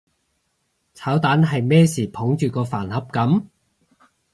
炒蛋係咩事捧住個飯盒噉？